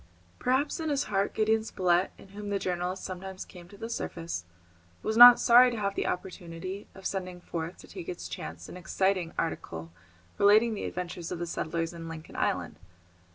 Perhaps in his heart Gideon Spilett, in whom the journalist sometimes came to the surface, was not sorry to have the opportunity of sending forth to take its chance an exciting article relating the adventures of the settlers in Lincoln Island.